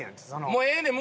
もうええねん。